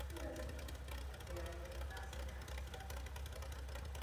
Patří mezi složitější planetární mlhoviny.